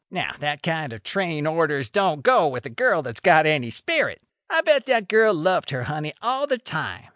"Now that kind of train orders don't go with a girl that's got any spirit. I bet that girl loved her honey all the time.